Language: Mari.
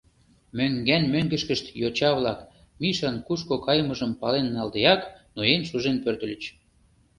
Мӧҥган-мӧҥгышкышт йоча-влак, Мишан кушко кайымыжым пален налдеак, ноен шужен пӧртыльыч.